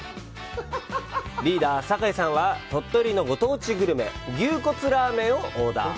リーダー・酒井さんは鳥取のご当地グルメ、牛骨ラーメンをオーダー。